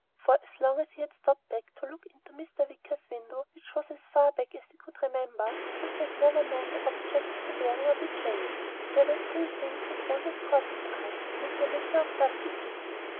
For as long as he had stopped to look into Mr. Wicker's window, which was as far back as he could remember, Chris had never known the objects to vary or be changed. There were three things that always caught his eye, amid the litter of dusty pieces.